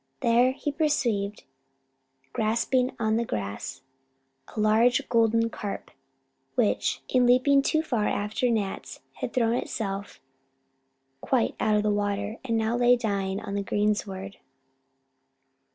There he perceived, gasping on the grass, a large golden carp, which, in leaping too far after gnats, had thrown itself quite out of the water, and now lay dying on the greensward.